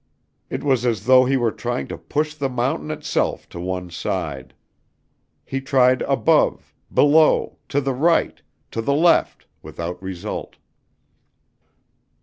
It was as though he were trying to push the mountain itself to one side. He tried above, below, to the right, to the left without result.